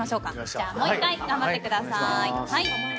じゃあもう１回頑張ってください。